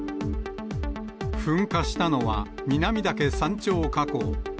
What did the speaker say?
噴火したのは、南岳山頂火口。